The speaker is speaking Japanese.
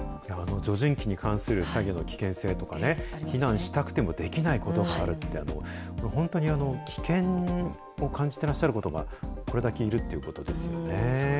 除塵機に関する作業の危険性とかね、避難したくてもできないことがあるって、本当に危険を感じてらっしゃる方がこれだけいるってことですよね。